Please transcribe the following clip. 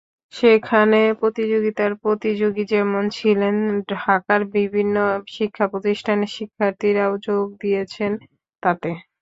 সেখানে প্রতিযোগিতার প্রতিযোগী যেমন ছিলেন, ঢাকার বিভিন্ন শিক্ষাপ্রতিষ্ঠানের শিক্ষার্থীরাও যোগ দিয়েছেন তাতে।